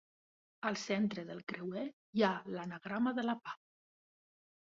Al centre del creuer hi ha l'anagrama de la pau.